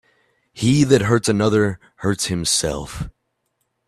He that hurts another, hurts himself.